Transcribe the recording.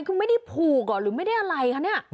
คือไม่ได้ผูกเหรอหรือไม่ได้อะไรคะเนี่ย